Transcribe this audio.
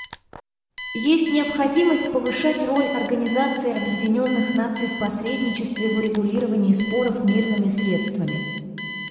Есть необходимость повышать роль Организации Объединенных Наций в посредничестве в урегулировании споров мирными средствами.